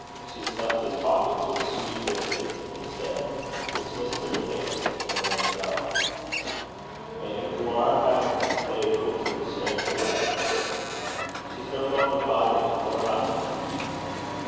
She stuffed his pockets with sweet biscuits instead, dismissed him in haste, and rang the bell. 'Meg, whaur hae they putten the stranger leddy?' 'She's no gaein' to bide at our hoose, mem.'